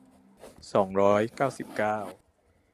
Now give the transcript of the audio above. สองร้อยเก้าสิบเก้า